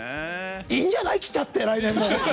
いいんじゃない来ちゃって来年も。